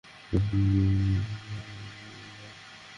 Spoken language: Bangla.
যুদ্ধে কোনো নিয়মনীতি নেই।